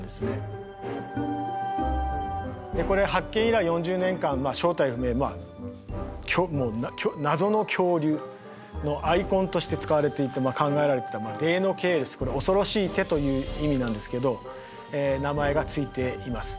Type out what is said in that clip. でこれ発見以来４０年間正体不明まあもう謎の恐竜のアイコンとして使われていて考えられていたデイノケイルスこれ恐ろしい手という意味なんですけど名前が付いています。